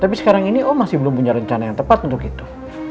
tapi sekarang ini oh masih belum punya rencana yang tepat untuk itu